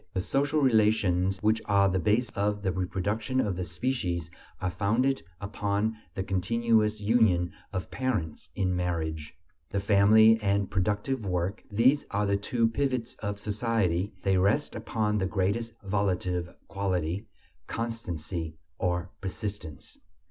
The social relations which are the basis of the reproduction of the species are founded upon the continuous union of parents in marriage. The family and productive work: these are the two pivots of society; they rest upon the greatest volitive quality: constancy, or persistence.